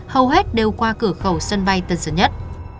hầu hết đều qua cửa khẩu sân bay tân sơn nhất